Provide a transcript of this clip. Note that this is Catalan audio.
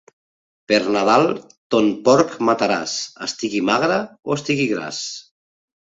Per Nadal ton porc mataràs, estigui magre o estigui gras.